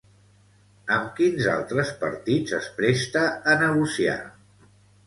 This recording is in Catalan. Amb quins altres partits es presta a negociar?